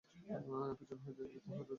পিছন হইতে কে তাহার চোখ টিপিয়া ধরিল।